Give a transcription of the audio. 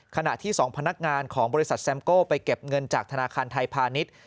ขณะที่๒พนักงานของบริษัทแซมโก้ไปเก็บเงินจากธนาคารไทยพาณิชย์